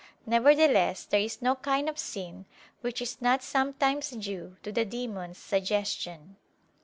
Nevertheless there is no kind of sin which is not sometimes due to the demons' suggestion.